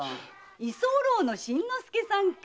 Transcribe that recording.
居候の新之助さんか。